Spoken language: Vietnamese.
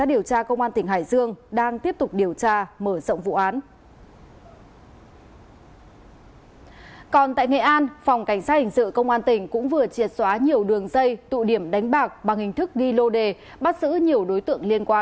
ba đối tượng đã bị phòng cảnh sát hình sự công an tỉnh lâm đồng tạm giữ hình sự để làm rõ về hành vi giết người